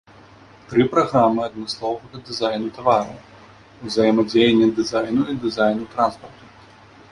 Тры праграмы адмысловага дызайну тавараў, узаемадзеяння дызайну і дызайну транспарту.